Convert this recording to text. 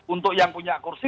untuk yang punya kursi